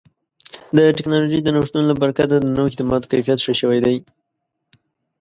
د ټکنالوژۍ د نوښتونو له برکته د نوو خدماتو کیفیت ښه شوی دی.